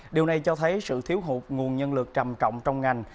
điều này cho thấy sự thiếu hụt nguồn nhân lực trầm trọng trong ngành